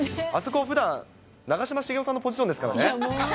あそこ、ふだん、長嶋茂雄さんのポジションですからね。